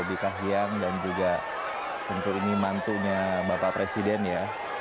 ibu kahiyang dan juga tentu ini mantunya bapak presiden ya